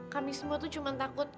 kami semua tuh cuma takut